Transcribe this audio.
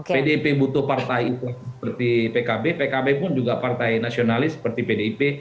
pdip butuh partai itu seperti pkb pkb pun juga partai nasionalis seperti pdip